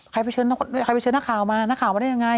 ใครไปเชิญนักข่าวมานักข่าวมาได้ยังไง